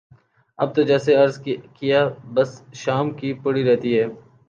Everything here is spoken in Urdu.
اب تو جیسے عرض کیا بس شام کی پڑی رہتی ہے